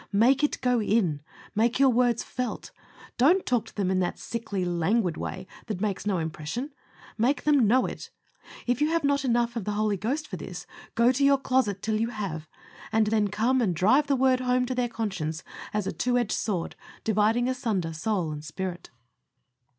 Make it go in make your words felt; don't talk to them in that sickly, languid way that makes no impression make them know it. If you have not enough of the Holy Ghost for this, go to your closet till you have, and then come and drive the Word home to their conscience as a two edged sword, dividing asunder soul and spirit.